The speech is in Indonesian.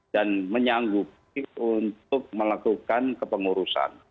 dan menyanggupi untuk melakukan kepengurusan